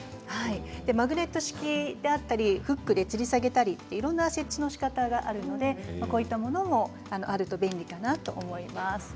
マグネット式であったりフックでつり下げたりいろんな設置のしかたがあるのでこういったものもあると便利かなと思います。